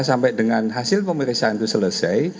sampai dengan hasil pemeriksaan itu selesai